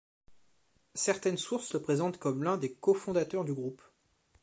Certaines sources le présentent comme l'un des cofondateurs du groupe.